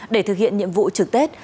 để thực hiện nhiệm vụ trực tết